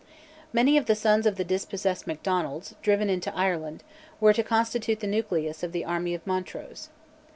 Many of the sons of the dispossessed Macdonalds, driven into Ireland, were to constitute the nucleus of the army of Montrose.